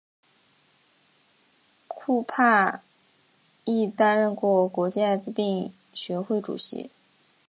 库珀亦担任过国际艾滋病学会主席。